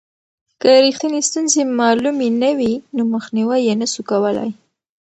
که رښتینې ستونزې معلومې نه وي نو مخنیوی یې نسو کولای.